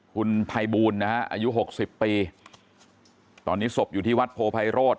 คุณไพบูนนะครับอายุ๖๐ปีตอนนี้ศพอยู่ที่วัดโพไพโรธ